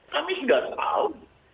kami sudah tahu